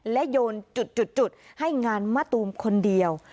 และโยนจุดให้งานมะตูมคนเดียว